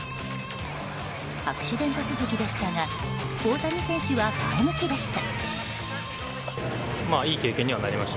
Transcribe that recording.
アクシデント続きでしたが大谷選手は前向きでした。